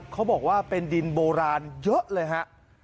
เขาบอกว่าเป็นดินโบราณเยอะเลยฮะ